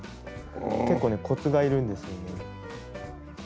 結構ねコツがいるんですよね。